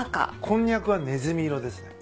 こんにゃくはねずみ色ですね。